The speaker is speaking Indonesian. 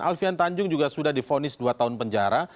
alfian tanjung juga sudah difonis dua tahun penjara